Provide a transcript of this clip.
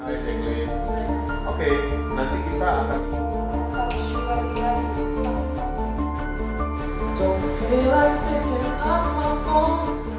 oke nanti kita akan